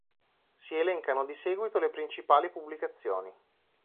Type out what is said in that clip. Si elencano di seguito le principali pubblicazioni.